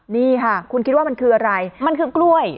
นี่ค่ะคุณคิดว่ามันคืออะไรมันคือกล้วย